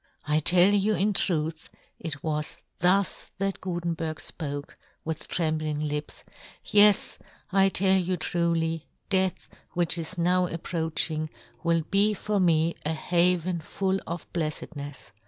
" I tell you in truth," it was thus that Gutenberg fpoke, with tremb yohn Gutenberg. 1 37 ling lips, " yes, I tell you truly, death, " which is now approaching, will be " for me a haven full of bleffednefs.